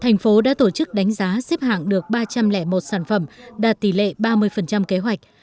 thành phố đã tổ chức đánh giá xếp hạng được ba trăm linh một sản phẩm đạt tỷ lệ ba mươi kế hoạch